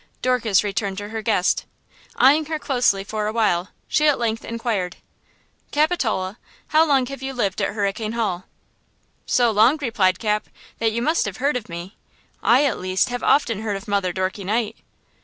Dorcas returned to her guest. Eying her closely for a while, she at length inquired: "Capitola, how long have you lived at Hurricane Hall?" "So long," replied Cap, "that you must have heard of me! I, at least, have often heard of Mother Dorkey Knight."